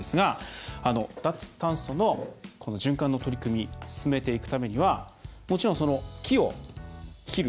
脱炭素の循環の取り組み進めていくためにはもちろん、木を切る。